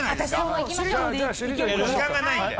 もう時間がないんで。